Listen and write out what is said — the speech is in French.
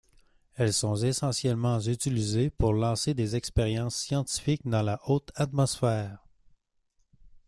Elles sont essentiellement utilisées pour lancer des expériences scientifiques dans la haute atmosphère.